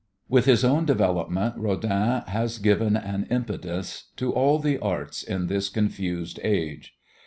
With his own development Rodin has given an impetus to all the arts in this confused age.